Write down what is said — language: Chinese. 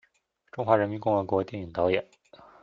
中华人民共和国电影导演。